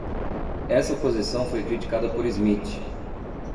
Essa posição foi criticada por Smith.